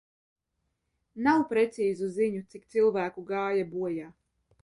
Nav precīzu ziņu, cik cilvēku gāja bojā.